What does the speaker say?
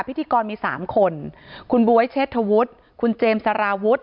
พิธีกรมี๓คนคุณบ๊วยเชษฐวุฒิคุณเจมส์สารวุฒิ